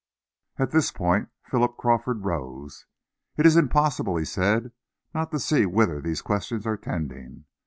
At this point Philip Crawford rose. "It is impossible," he said, "not to see whither these questions are tending.